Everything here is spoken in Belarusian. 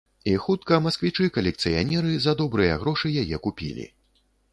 І хутка масквічы-калекцыянеры за добрыя грошы яе купілі.